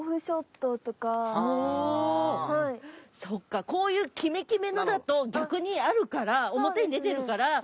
そっかこういうキメキメのだと逆にあるから表に出てるから。